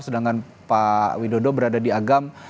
sedangkan pak widodo berada di agam